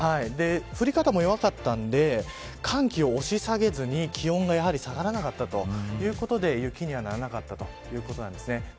降り方も弱かったので寒気を押し下げずに気温が下がらなかったということで雪にはならなかったということです。